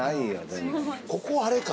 全然ここあれか！